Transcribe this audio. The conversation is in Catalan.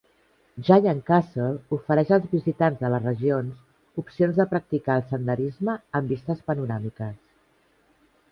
Giants Castle ofereix als visitants de les regions opcions de practicar el senderisme amb vistes panoràmiques.